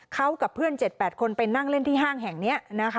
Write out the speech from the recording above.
เขากับเพื่อน๗๘คนไปนั่งเล่นที่ห้างแห่งนี้นะคะ